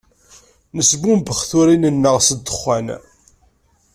Nesbumbex turin-nneɣ s ddexxan.